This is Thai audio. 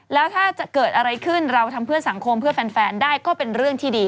แล้วถ้าจะเกิดอะไรขึ้นเราทำเพื่อสังคมเพื่อแฟนได้ก็เป็นเรื่องที่ดี